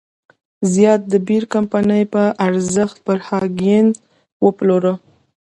زیات د بیر کمپنۍ په ارزښت پر هاینکن وپلوره.